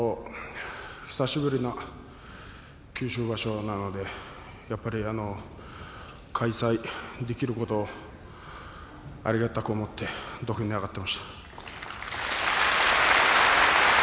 久しぶりな九州場所なのでやっぱり開催できることをありがたく思って土俵に上がっていました。